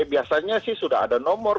biasanya sih sudah ada nomor